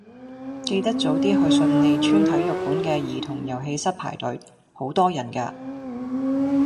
記得早啲去順利邨體育館嘅兒童遊戲室排隊，好多人㗎。